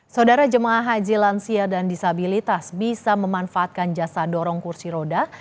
saudara jemaah haji lansia dan disabilitas bisa memanfaatkan jasa dorong kursi roda